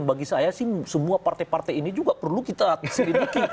bagi saya sih semua partai partai ini juga perlu kita selidiki